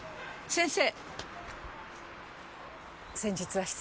先生。